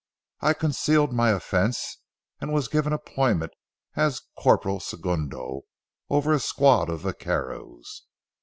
I concealed my offense, and was given employment as corporal segundo over a squad of vaqueros.